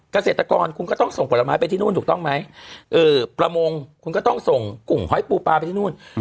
เกษตรกรคุณก็ต้องส่งผลไม้ไปที่นู่นถูกต้องไหมประมงคุณก็ต้องส่งกลุ่มหอยปูปลาไปที่นู่น